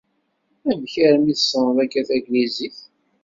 Amek armi tessneḍ akka taglizit?